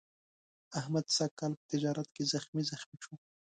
احمد سږ کال په تجارت کې زخمي زخمي شو.